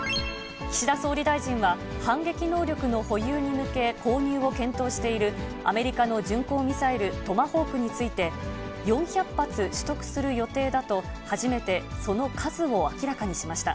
岸田総理大臣は、反撃能力の保有に向け、購入を検討しているアメリカの巡航ミサイル、トマホークについて、４００発取得する予定だと、初めてその数を明らかにしました。